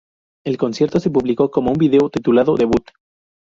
El concierto se publicó como un video, titulado "Debut!